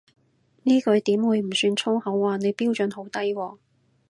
呢句點會唔算粗口啊，你標準好低喎